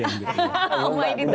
hahaha umai ditunggu